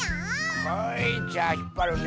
はいじゃあひっぱるね。